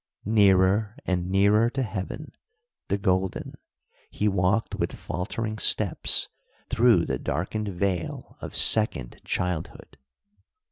Nearer and nearer to heaven, the golden, he walked with faltering steps through the darkened vale of second childhood.